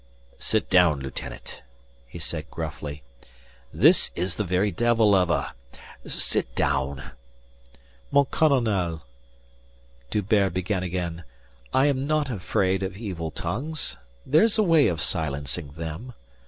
"Sit down, lieutenant," he said gruffly. "This is the very devil of a... sit down." "Mon colonel" D'Hubert began again. "I am not afraid of evil tongues. There's a way of silencing them.